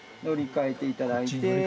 乗り換えていただいて。